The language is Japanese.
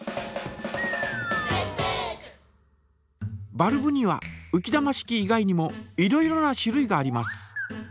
バルブにはうき玉式以外にもいろいろな種類があります。